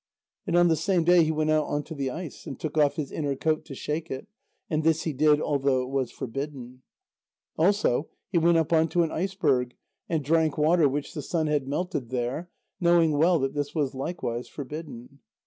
And on the same day he went out on to the ice and took off his inner coat to shake it, and this he did although it was forbidden. Also he went up on to an iceberg and drank water which the sun had melted there, knowing well that this was likewise forbidden.